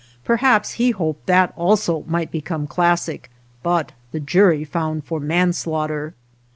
Perhaps he hoped that also might become classic, but the jury found for manslaughter.